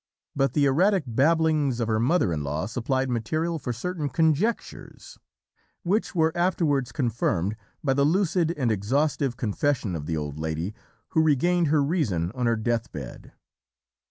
But the erratic babblings of her mother in law supplied material for certain conjectures, which were afterwards confirmed by the lucid and exhaustive confession of the old lady, who regained her reason on her deathbed.